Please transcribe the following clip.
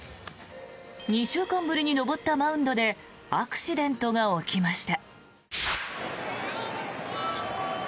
２週間ぶりに上ったマウンドでアクシデントが起きました。